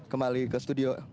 kembali ke studio